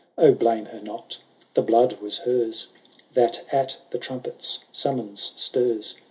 Oh, blame her not I the blood was hers. That at the trumpetis siunmons stirs